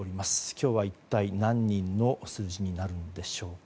今日は一体何人の数字になるでしょうか。